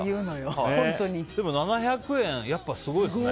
でも７００円やっぱすごいですね。